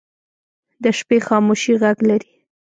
د شپې خاموشي غږ لري